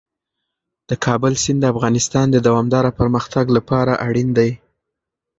د کابل سیند د افغانستان د دوامداره پرمختګ لپاره اړین دی.